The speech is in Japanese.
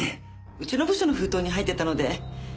うちの部署の封筒に入ってたので。